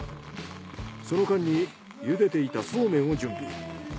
その間に茹でていたそうめんを準備。